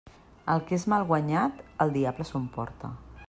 El que és mal guanyat el diable s'ho emporta.